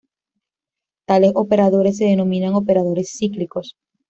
Tales operadores se denominan operadores cíclicos.